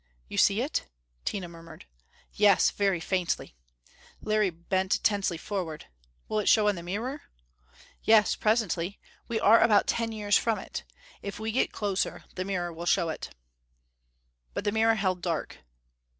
"You see it?" Tina murmured. "Yes. Very faintly." Larry bent tensely forward. "Will it show on the mirror?" "Yes; presently. We are about ten years from it. If we get closer, the mirror will show it." But the mirror held dark.